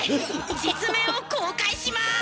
実名を公開します！